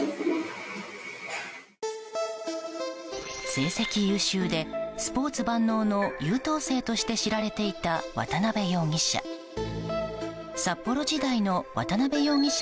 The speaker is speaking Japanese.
成績優秀でスポーツ万能の優等生として知られていた渡邉容疑者。